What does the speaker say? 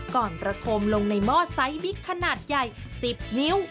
ประคมลงในหม้อไซส์บิ๊กขนาดใหญ่๑๐นิ้ว